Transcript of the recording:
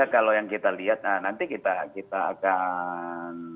kalau yang kita lihat nanti kita akan